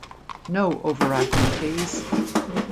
No overacting, please.